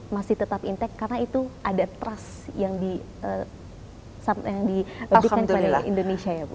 masih tetap intek karena itu ada trust yang diberikan kepada indonesia ya bu